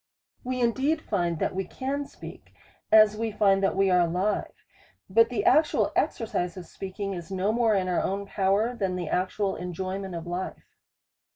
We indeed find that we can speak, as we find that we are alive ; but the actual exercise of speaking is no more in our own power, than the actual enjoyment of life.